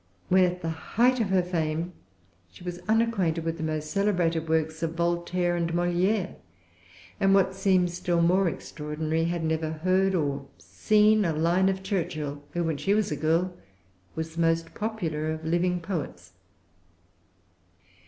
When at the height of her fame, she was unacquainted with the most celebrated works of Voltaire and Molière; and, what seems still more extraordinary, had never heard or seen a line of Churchill, who, when she was a girl, was the most popular of living poets.